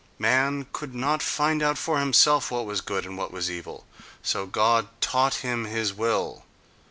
Man could not find out for himself what was good and what was evil, so God taught him His will....